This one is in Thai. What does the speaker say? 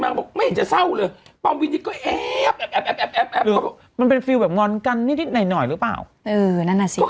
เอาแม่งก็พูดไปเลยแม่งก็ถามไปแล้วอ่ะ